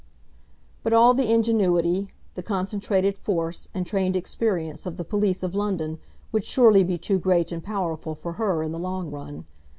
But all the ingenuity, the concentrated force, and trained experience of the police of London would surely be too great and powerful for her in the long run.